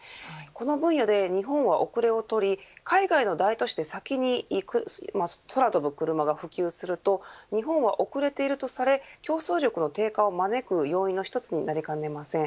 この分野で日本は後れをとり海外の大都市で先に空飛ぶクルマが普及すると日本は遅れているとされ競争力の低下を招く要因の一つになりかねません。